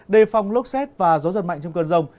đề phòng lốc xét và gió giật mạnh trong cơn rông